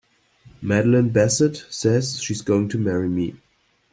Madeline Bassett says she's going to marry me!